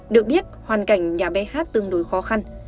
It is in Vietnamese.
được biết hoàn cảnh nhà bé hát tương đối khó khăn